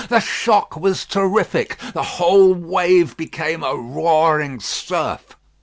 The shock was terrific: the whole wave became a roaring surf.